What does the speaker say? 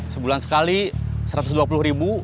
sebulan sekali satu ratus dua puluh ribu